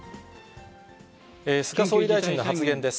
菅総理大臣の発言です。